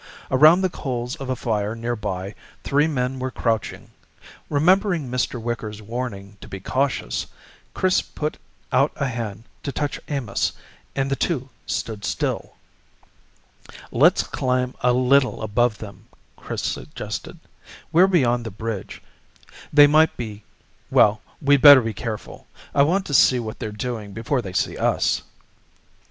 Around the coals of a fire nearby, three men were crouching. Remembering Mr. Wicker's warning to be cautious, Chris put out a hand to touch Amos and the two stood still. "Let's climb up a little above them," Chris suggested. "We're beyond the bridge they might be well, we'd better be careful. I want to see what they're doing before they see us."